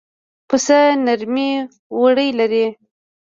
پسه نرمې وړۍ لري.